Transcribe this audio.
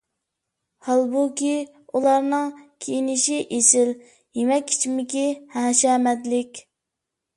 ھالبۇكى، ئۇلارنىڭ كىيىنىشى ئېسىل، يېمەك ـ ئىچمىكى ھەشەمەتلىك.